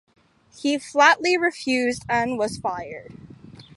He flatly refused and was fired.